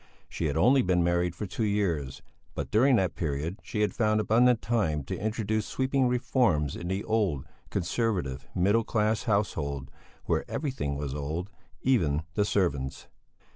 She had only been married for two years, but during that period she had found abundant time to introduce sweeping reforms in the old, conservative, middle class household, where everything was old, even the servants.